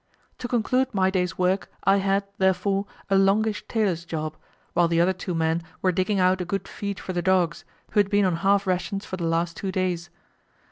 To conclude my day's work I had, therefore, a longish tailor's job, while the other two men were digging out a good feed for the dogs, who had been on half rations for the last two days.